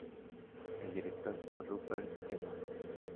El director fue Rupert Edwards.